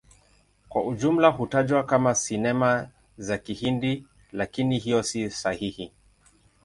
Kwa ujumla hutajwa kama Sinema za Kihindi, lakini hiyo si sahihi.